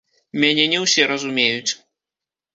Мяне не ўсе разумеюць.